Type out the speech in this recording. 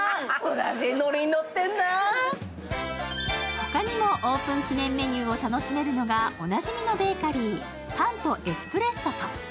他にもオープン記念メニューを楽しめるのがおなじみのベーカリー、パンとエスプレッソと。